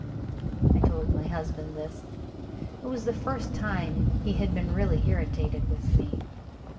I told my husband this. It was the first time he had been really irritated with me.